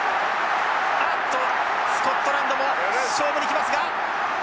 あっとスコットランドも勝負に来ますが。